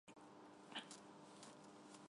Պսակը դեղին է։